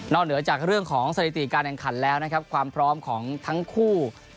เหนือจากเรื่องของสถิติการแข่งขันแล้วนะครับความพร้อมของทั้งคู่